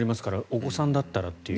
お子さんだったらという。